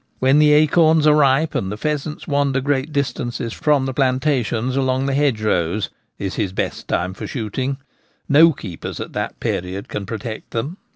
When the acorns are ripe and the pheasants wander great distances from the plantations along the hedgerows is his best time for shooting ; no keepers at ' Potting ' Partridges. 1 47 that period can protect them.